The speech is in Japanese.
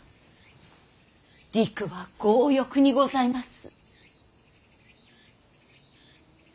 りくは強欲にございます。